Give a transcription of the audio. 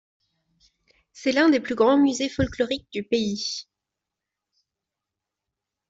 C'est l'un des plus grands musées folkloriques du pays.